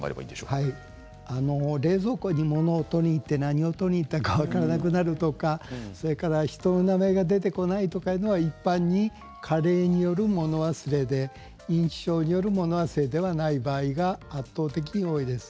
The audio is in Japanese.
冷蔵庫にものを取りに行って何を取りに行ったか分からなくなるとかそれから人の名前が出てこないというのは一般に加齢による物忘れで認知症による物忘れではない場合が圧倒的に多いです。